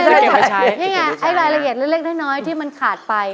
นี่ไงไอ้รายละเอียดเล็กน้อยที่มันขาดไป